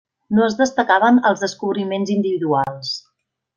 No es destacaven els descobriments individuals.